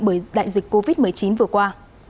bởi đại dịch covid một mươi chín vừa qua